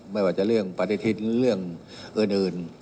ไม่ว่าจะเรื่องปฏิทิศเรื่องอื่น